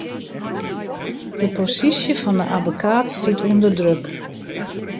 De posysje fan 'e abbekaat stiet ûnder druk.